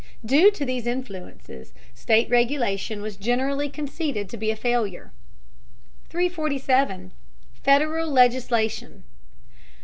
Due to these influences, state regulation was generally conceded to be a failure. 347. FEDERAL LEGISLATION.